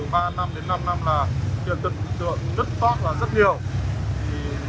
và làm sao chất lượng công trình thi công để có sự tốt